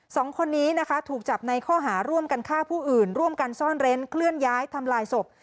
สองคนนี้นะคะถูกจับในข้อหาร่วมกันฆ่าผู้อื่นร่วมกันซ่อนเร้นเคลื่อนย้ายทำลายศพ